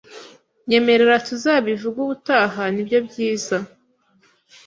Nyemerera tuzabivuge ubutaha nibyo byiza